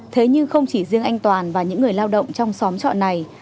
thế nhưng không chỉ riêng anh toàn và những người lao động trong xóm trọ này